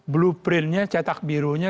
blueprintnya cetak birunya